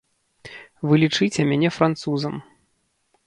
Вы лічыце мяне французам.